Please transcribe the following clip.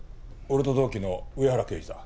俺と同期の上原刑事だ。